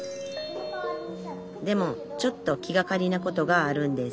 でもちょっと気がかりなことがあるんです